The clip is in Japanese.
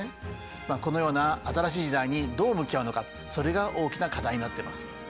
このような新しい時代にどう向き合うのかそれが大きな課題になってます。